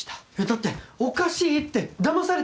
だっておかしいってだまされてるんじゃ。